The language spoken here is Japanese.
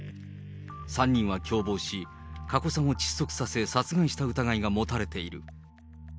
３人は共謀し、加古さんを窒息させ殺害した疑いが持たれている。